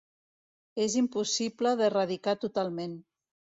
És impossible d'erradicar totalment.